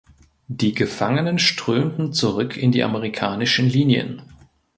Die Gefangenen strömten zurück in die amerikanischen Linien.